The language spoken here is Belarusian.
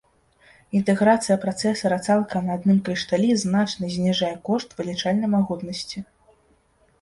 Інтэграцыя працэсара цалкам на адным крышталі значна зніжае кошт вылічальнай магутнасці.